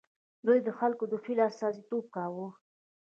دوی د خلکو د هیلو استازیتوب کاوه.